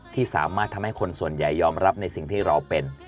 ที่สามารถทำให้คนส่วนใหญ่ยอมรับในสิ่งที่เราเป็น